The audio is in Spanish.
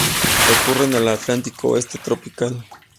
Ocurre en el Atlántico oeste tropical.